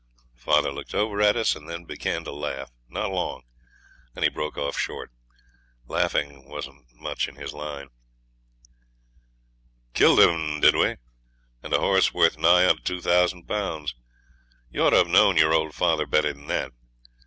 Father looked over at us and then began to laugh not long, and he broke off short. Laughing wasn't much in his line. 'Killed him, did we? And a horse worth nigh on to two thousand pounds. You ought to have known your old father better than that.